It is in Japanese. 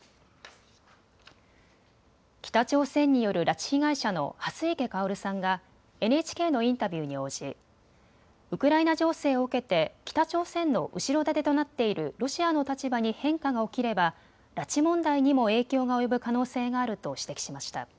北朝鮮による拉致被害者の蓮池薫さんがＮＨＫのインタビューに応じ、ウクライナ情勢を受けて北朝鮮の後ろ盾となっているロシアの立場に変化が起きれば拉致問題にも影響が及ぶ可能性があると指摘しました。